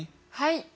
はい。